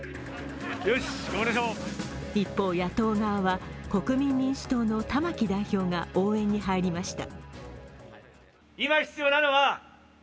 一方、野党側は国民民主党の玉木代表が応援に入りました。